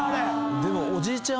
でもおじいちゃん